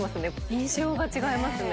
印象が違いますね